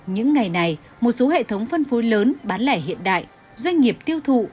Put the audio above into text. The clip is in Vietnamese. những ngày này một số hệ thống phân phối lớn bán lẻ hiện đại doanh nghiệp tiêu thụ